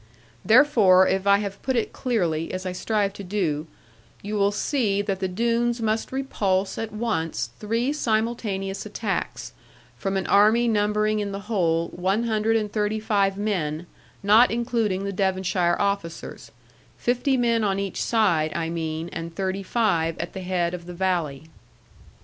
Therefore, if I have put it clearly, as I strive to do, you will see that the Doones must repulse at once three simultaneous attacks, from an army numbering in the whole one hundred and thirty five men, not including the Devonshire officers; fifty men on each side, I mean, and thirty five at the head of the valley.